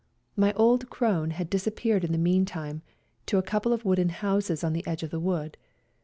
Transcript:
My old crone had disappeared in the meantime to a couple of wooden houses on the edge of the wood.